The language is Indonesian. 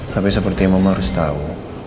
tapi seperti mama harus tahu